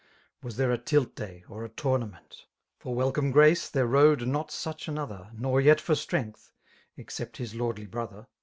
Was there a tilt day or a tournament, — For welcome grace there rode not such anotliier. Nor yet for strength, except his lordly brother.